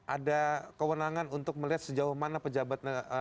ada kewenangan untuk melihat sejauh mana pejabat